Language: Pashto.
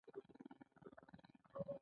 دوی هم د کارګرانو په استثمار کې پوره دخیل دي